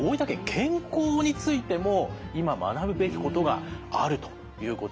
健康についても今学ぶべきことがあるということ。